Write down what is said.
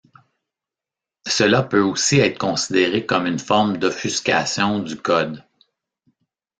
Cela peut aussi être considéré comme une forme d'offuscation du code.